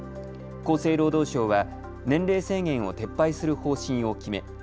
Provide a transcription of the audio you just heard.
厚生労働省は年齢制限を撤廃する方針を決め